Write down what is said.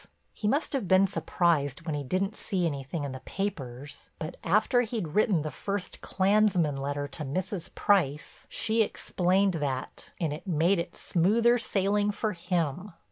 He must have been surprised when he didn't see anything in the papers, but after he'd written the first "Clansmen" letter to Mrs. Price she explained that and it made it smoother sailing for him.